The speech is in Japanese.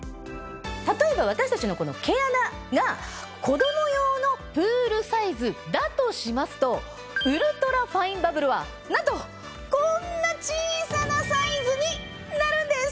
例えば私たちの毛穴が子ども用のプールサイズだとしますとウルトラファインバブルはなんとこんな小さなサイズになるんです！